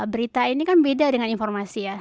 berita ini kan beda dengan informasi ya